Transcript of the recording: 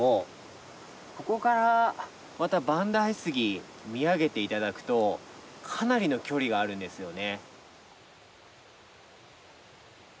ここからまた万代杉見上げて頂くとかなりの距離があるんですよね。